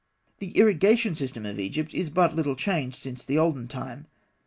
] The irrigation system of Egypt is but little changed since the olden time.